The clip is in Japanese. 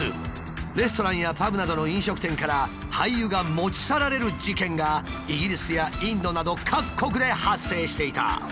レストランやパブなどの飲食店から廃油が持ち去られる事件がイギリスやインドなど各国で発生していた。